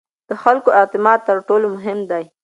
د خلکو اعتماد تر ټولو مهم دی